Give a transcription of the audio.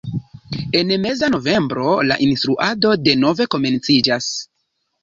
En meza novembro la instruado denove komenciĝas.